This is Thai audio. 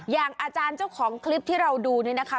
อย่างอาจารย์เจ้าของคลิปที่เราดูนี่นะคะ